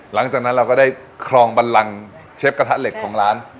หลังจากนั้นเราก็ได้ครองบันลังเชฟกระทะเหล็กของร้าน